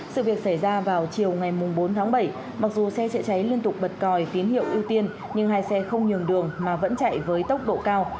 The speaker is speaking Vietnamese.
sự việc xảy ra vào chiều ngày bốn tháng bảy mặc dù xe chữa cháy liên tục bật còi tín hiệu ưu tiên nhưng hai xe không nhường đường mà vẫn chạy với tốc độ cao